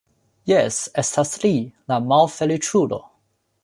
Jes, estas li, la malfeliĉulo.